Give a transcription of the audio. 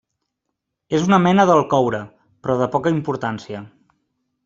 És una mena del coure, però de poca importància.